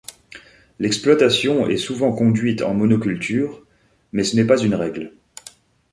L'exploitation est souvent conduite en monoculture mais ce n'est pas une règle.